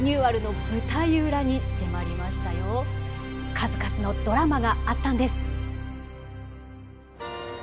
数々のドラマがあったんです！